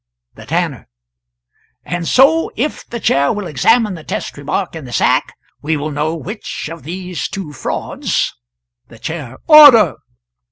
The Tanner. "And so, if the Chair will examine the test remark in the sack, we shall know which of these two frauds [The Chair. "Order!"